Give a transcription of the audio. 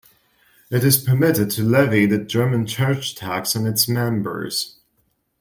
It is permitted to levy the German church tax on its members.